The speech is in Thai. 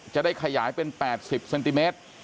จะได้ขยายเป็น๘๐เซนติเมตร